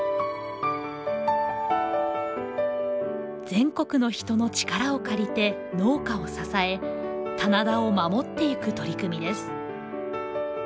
全国の人の力を借りて農家を支え棚田を守っていく取り組みです。